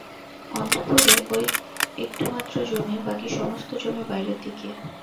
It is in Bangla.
অন্তঃপুরে এই একটুমাত্র জমি, বাকি সমস্ত জমি বাইরের দিকে।